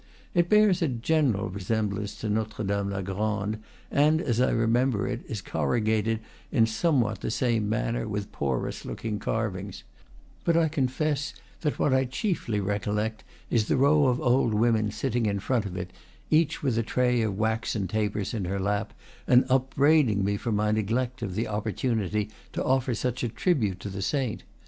It bears a general resemblance to Notre Dame la Grande, and, as I remember it, is corrugated in some what the same manner with porous looking carvings; but I confess that what I chiefly recollect is the row of old women sitting in front of it, each with a tray of waxen tapers in her lap, and upbraiding me for my neglect of the opportunity to offer such a tribute to the saint.